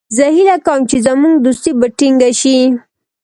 زه هیله کوم چې زموږ دوستي به ټینګه شي.